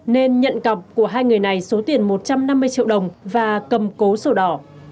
nên nhận cọc của hai người này số tiền một trăm năm mươi triệu đồng và cầm cố sổ đỏ